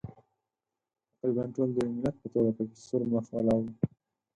تقریباً ټول د یوه ملت په توګه پکې سور مخ ولاړ وو.